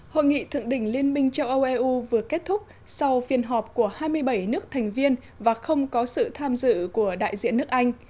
hội nghị thượng đỉnh liên minh châu âu eu vừa kết thúc sau phiên họp của hai mươi bảy nước thành viên và không có sự tham dự của đại diện nước anh